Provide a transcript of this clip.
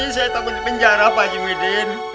saya takut dipenjara pak haji widen